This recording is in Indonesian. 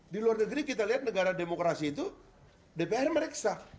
di luar negeri kita lihat negara demokrasi itu dpr meriksa